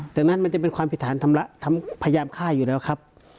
ดังนั้นมันจะเป็นความผิดฐานพยายามฆ่าอยู่แล้วครับ